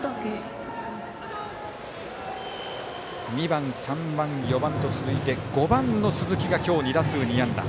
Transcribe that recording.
２番、３番、４番と続いて５番の鈴木が今日２打数２安打。